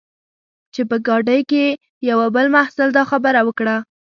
چې په ګاډۍ کې یوه بل محصل دا خبره وکړه.